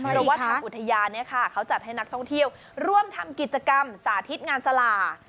เพราะว่าทางอุทยานเขาจัดให้นักท่องเที่ยวร่วมทำกิจกรรมสาธิตงานสลา